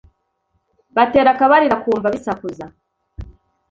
batera akabariro akumva bisakuza’